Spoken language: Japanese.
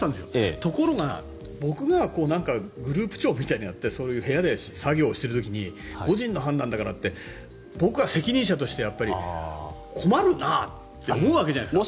ところが、僕がグループ長みたいなのをやって部屋で作業している時に個人の判断だからって僕は責任者として困るなって思うわけじゃないですか。